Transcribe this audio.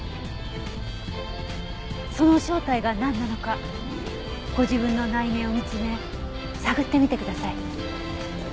その正体がなんなのかご自分の内面を見つめ探ってみてください。